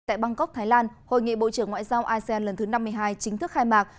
tại bangkok thái lan hội nghị bộ trưởng ngoại giao asean lần thứ năm mươi hai chính thức khai mạc